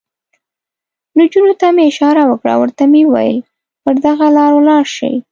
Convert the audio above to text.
نجونو ته مې اشاره وکړه، ورته مې وویل: پر دغه لار ولاړ شئ.